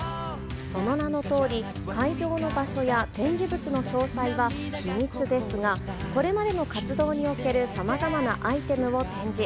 その名のとおり、会場の場所や展示物の詳細は秘密ですが、これまでの活動におけるさまざまなアイテムを展示。